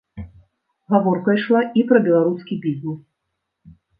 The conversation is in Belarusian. Гаворка ішла і пра беларускі бізнес.